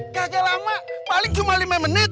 gajah lama paling cuma lima menit